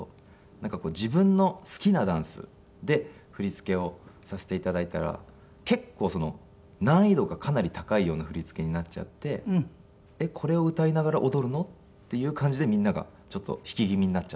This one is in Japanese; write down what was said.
なんか自分の好きなダンスで振り付けをさせて頂いたら結構難易度がかなり高いような振り付けになっちゃってえっこれを歌いながら踊るの？っていう感じでみんながちょっと引き気味になっちゃったっていう。